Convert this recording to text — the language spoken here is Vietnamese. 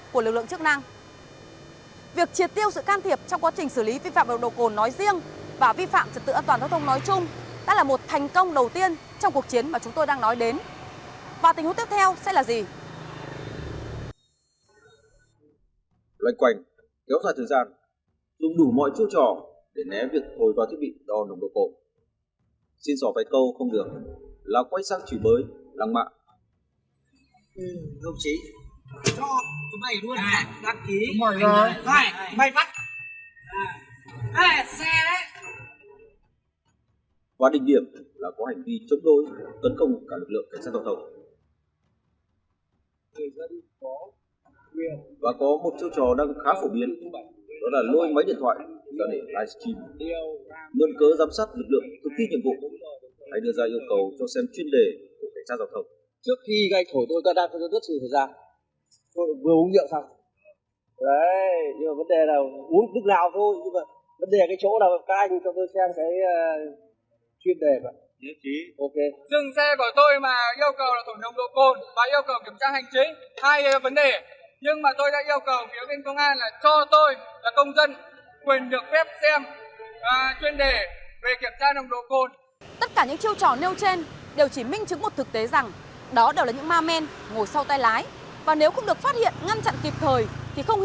cảm ơn các bạn đã theo dõi